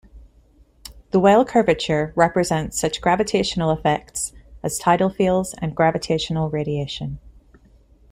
The Weyl curvature represents such gravitational effects as tidal fields and gravitational radiation.